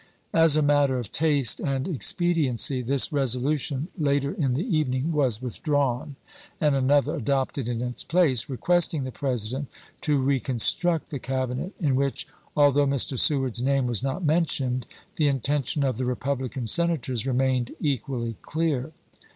As a matter of taste and expediency this resolution later in the evening was withdrawn and another adopted in its place requesting the President to reconstruct the Cabinet, in which, although Mr. Seward's name was not mentioned, the intention of the Republican Senators remained equally clear.